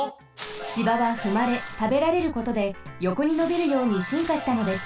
芝はふまれたべられることでよこにのびるようにしんかしたのです。